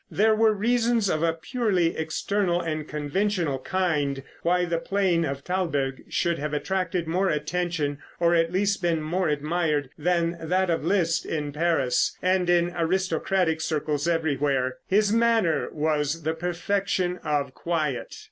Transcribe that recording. There were reasons of a purely external and conventional kind why the playing of Thalberg should have attracted more attention, or at least been more admired, than that of Liszt, in Paris and in aristocratic circles everywhere. His manner was the perfection of quiet.